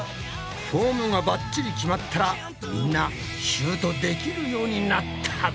フォームがバッチリ決まったらみんなシュートできるようになったぞ！